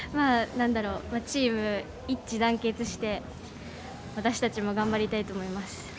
チーム一致団結して私たちも頑張りたいと思います。